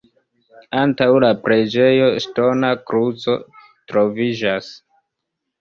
Antaŭ la preĝejo ŝtona kruco troviĝas.